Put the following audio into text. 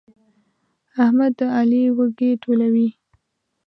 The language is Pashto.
احمد د علي وږي ټولوي.